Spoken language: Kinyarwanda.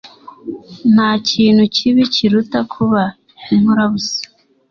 Nta kintu kibi kiruta kuba inkorabusa